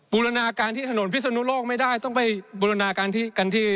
บูรณาการที่ถนนพิศนุโลกไม่ได้ต้องไปบูรณาการที่กันที่